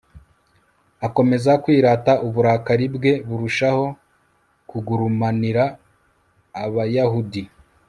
akomeza kwirata, uburakari bwe burushaho kugurumanira abayahudi